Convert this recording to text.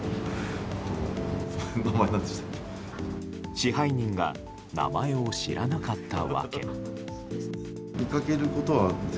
支配人が名前を知らなかった訳。